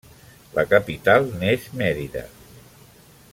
La capital n'és Mèrida.